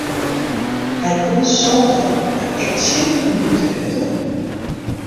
Hy koe santich mar ek tsjin de hûndert wêze.